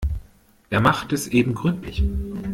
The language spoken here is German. Er macht es eben gründlich.